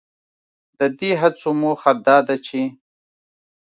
ددې هڅو موخه دا ده چې